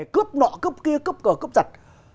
cướp nọ cướp kia cướp cờ cướp giật